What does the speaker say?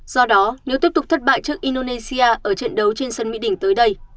do đó nếu tiếp tục thất bại trước indonesia ở trận đấu trên sân mỹ đình tới đây